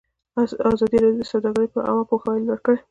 ازادي راډیو د سوداګري لپاره عامه پوهاوي لوړ کړی.